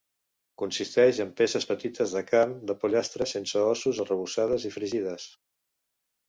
Consisteix en peces petites de carn de pollastre sense ossos arrebossades i fregides.